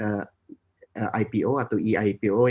termasuk misalnya penerapan elektronik ipo atau eip